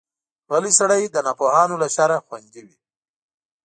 غلی سړی، د ناپوهانو له شره خوندي وي.